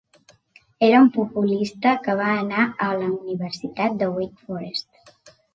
Era un populista que va anar a la universitat de Wake Forest.